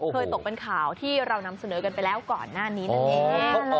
ตกเป็นข่าวที่เรานำเสนอกันไปแล้วก่อนหน้านี้นั่นเอง